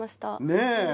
ねえ。